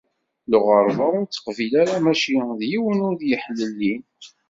Lɣerba ur t-qbil ara mačči d yiwen i yeḥlellin.